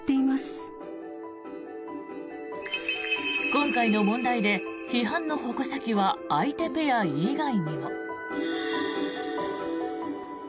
今回の問題で批判の矛先は相手ペア以外にも。